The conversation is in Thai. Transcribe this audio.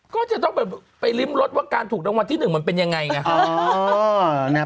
ก็จะต้องไปริมรถว่าการถูกรางวัลที่๑มันเป็นยังไงไงครับ